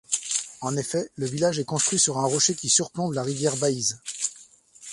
En effet, le village est construit sur un rocher qui surplombe la rivière Baïse.